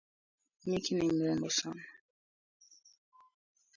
Micky ni mrembo sana.